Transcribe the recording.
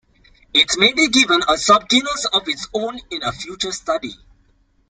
It may be given a subgenus of its own in a future study.